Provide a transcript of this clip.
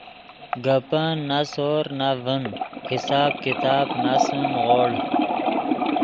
گپن نو سور نو ڤین حساب کتاب ناسے نیغوڑ